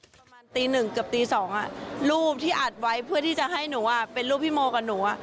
ประมาณตีหนึ่งเกือบตี๒รูปที่อัดไว้เพื่อที่จะให้หนูเป็นรูปพี่โมกับหนู